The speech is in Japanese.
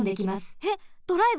えっドライブ？